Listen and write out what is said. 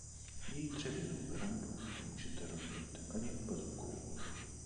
Její dřevěnou verandu nemůžete rozbít ani bazukou.